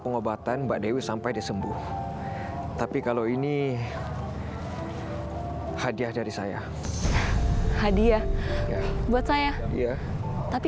kelewatan mbak dewi sampai disembuh tapi kalau ini hadiah dari saya hadiah buat saya iya tapi